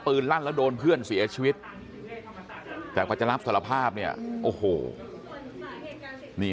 ลั่นแล้วโดนเพื่อนเสียชีวิตแต่พอจะรับสารภาพเนี่ยโอ้โหนี่